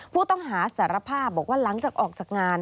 ผู้ต้องหาสารภาพบอกว่าหลังจากออกจากงาน